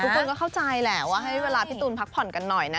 คนก็เข้าใจแหละว่าให้เวลาพี่ตูนพักผ่อนกันหน่อยนะ